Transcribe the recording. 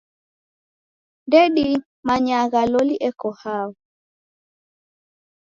Ndedimanyagha loli eko hao.